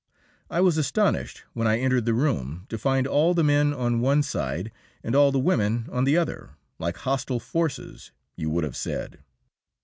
I was astonished, when I entered the room, to find all the men on one side and all the women on the other like hostile forces, you would have said.